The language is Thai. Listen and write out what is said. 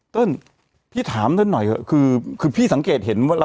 เติ้ลพี่ถามเติ้ลหน่อยคือคือพี่สังเกตเห็นว่า